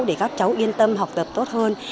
để các cháu yên tâm học tập tốt hơn